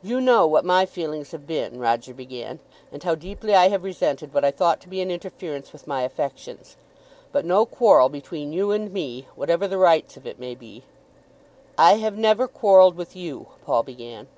"You know what my feelings have been," Roger began, "and how deeply I have resented what I thought to be an interference with my affections. But no quarrel between you and me, whatever the rights of it may be " "I have never quarrelled with you," Paul began.